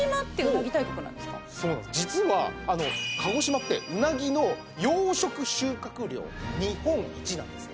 実は鹿児島ってうなぎの養殖収穫量日本一なんですね。